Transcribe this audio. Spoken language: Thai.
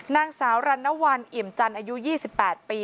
นางสาวรันวัลอิ่มจันอายุ๒๘ปี